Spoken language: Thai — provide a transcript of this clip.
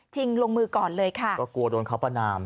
ลงมือก่อนเลยค่ะก็กลัวโดนเขาประนาม